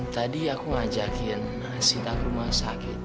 tadi aku ngajakin sita ke rumah sakit